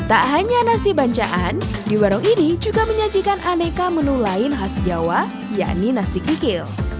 tak hanya nasi bancaan di warung ini juga menyajikan aneka menu lain khas jawa yakni nasi kikil